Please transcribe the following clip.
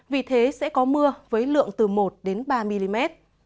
vì thế sẽ có mưa với lượng từ một đến ba mm